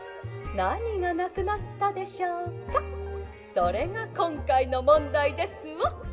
それがこんかいのもんだいですわ！」。